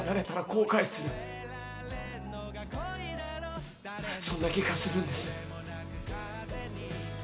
そんな気がするんです。